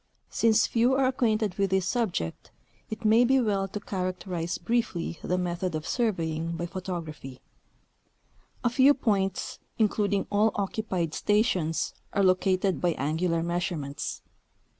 Since fcAV are acquainted with this subject, it may be well to characterize briefly the method of surveying b}^ photography. A few points, including all occupied stations, are located by angular measurements.